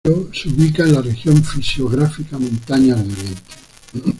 El municipio se ubica en la región fisiográfica Montañas de Oriente.